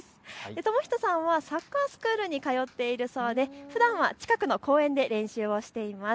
智仁さんはサッカースクールに通っているそうでふだんは近くの公園で練習しています。